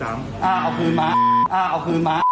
อ้าเอาพื้นมา